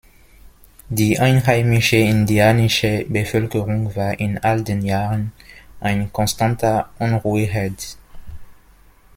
Die einheimische indianische Bevölkerung war in all den Jahren ein konstanter Unruheherd.